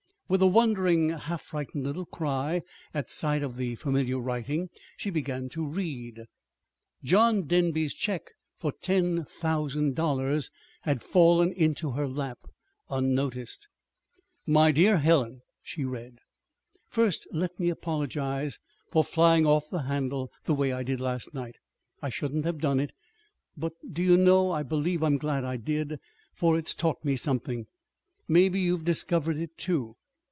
With a wondering, half frightened little cry at sight of the familiar writing, she began to read. John Denby's check for ten thousand dollars had fallen into her lap unnoticed. My dear Helen [she read]: First let me apologize for flying off the handle the way I did last night. I shouldn't have done it. But, do you know? I believe I'm glad I did for it's taught me something. Maybe you've discovered it, too.